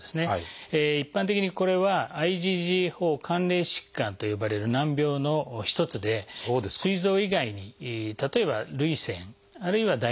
一般的にこれは「ＩｇＧ４関連疾患」と呼ばれる難病の一つですい臓以外に例えば涙腺あるいは唾液腺ですね